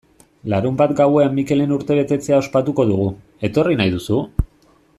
Larunbat gauean Mikelen urtebetetzea ospatuko dugu, etorri nahi duzu?